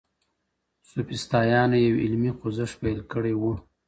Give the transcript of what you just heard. سوفسطاتیانو یو علمي خوځښت پیل کړی و.